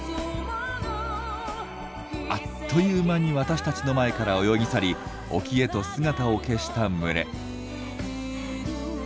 あっという間に私たちの前から泳ぎ去り沖へと姿を消した群れ。